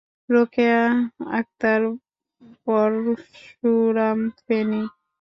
Rokeya Akter Parshuram, Feni.